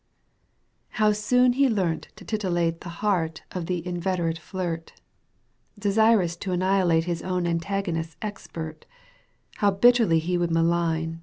•How soon he learnt to tittilate 'The heart of the inveterate flirt ! 'Desirous to annihilate •^His own antagonists expert, How bitterly he would malign.